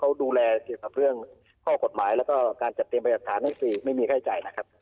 เขาดูแลเกี่ยวกับเรื่องข้อกฎหมายแล้วก็การจัดเตรียมประจักษฐานให้ฟรีไม่มีค่าใช้จ่ายนะครับ